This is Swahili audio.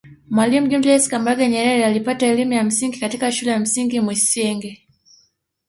Mwalimu Julius Kambarage Nyerere alipata elimu ya msingi katika Shule ya Msingi Mwisenge